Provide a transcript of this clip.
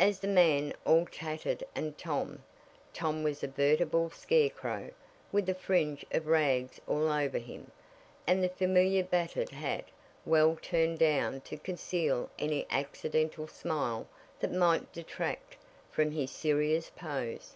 As the "Man all Tattered and Tom," Tom was a veritable scarecrow, with a fringe of rags all over him, and the familiar battered hat well turned down to conceal any accidental smile that might detract from his serious pose.